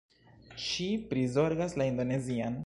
Ŝi prizorgas la Indonezian